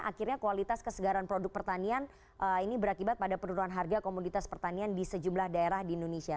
akhirnya kualitas kesegaran produk pertanian ini berakibat pada penurunan harga komoditas pertanian di sejumlah daerah di indonesia